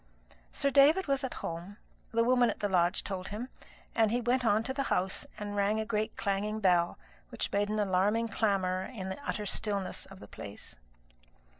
Sir David was at home, the woman at the lodge told him; and he went on to the house, and rang a great clanging bell, which made an alarming clamour in the utter stillness of the place.